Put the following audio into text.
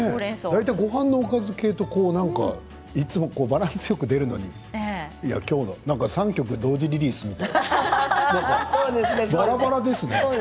大体ごはんのおかず系でバランスよく出るのにきょうは３曲同時リリースみたいなばらばらですね。